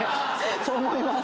そう思います。